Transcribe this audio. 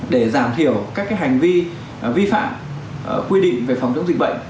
để giảm thiểu các hành vi vi phạm quy định về phòng chống dịch bệnh